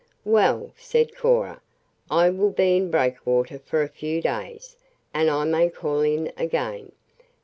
"Well," said Cora, "I will be in Breakwater for a few days, and I may call in again.